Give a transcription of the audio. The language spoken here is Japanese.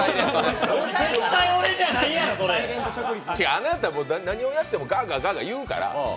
あなた、もう何を言ってもガーガー言うから。